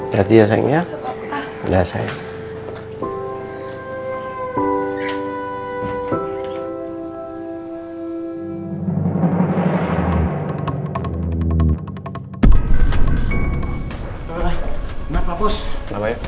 jadi ya sayangnya